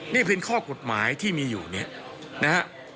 นี่เป็นข้อกฎหมายที่มีอยู่เนี่ยนะฮะ